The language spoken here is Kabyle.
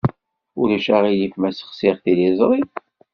Ulac aɣilif ma ssexsiɣ tiliẓri?